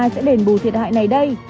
ai sẽ đền bù thiệt hại này đây